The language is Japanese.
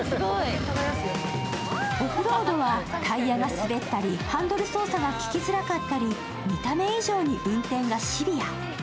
オフロードはタイヤが滑ったり、ハンドル操作がききづらかったり、見た目以上に運転がシビア。